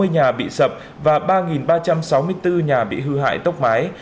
một trăm sáu mươi nhà bị sập và ba ba trăm sáu mươi bốn nhà bị hư hại tốc máy